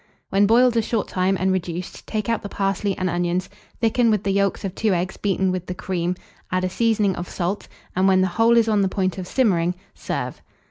When boiled a short time and reduced, take out the parsley and onions, thicken with the yolks of 2 eggs beaten with the cream; add a seasoning of salt, and, when the whole is on the point of simmering, serve.